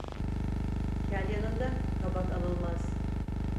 Kel yanında kabak anılmaz.